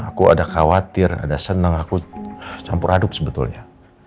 aku ada khawatir ada senang aku campur aduk sebetulnya